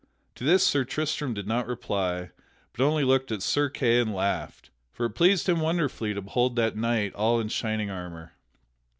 To this Sir Tristram did not reply, but only looked at Sir Kay and laughed, for it pleased him wonderfully to behold that knight all in shining armor.